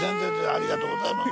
ありがとうございます。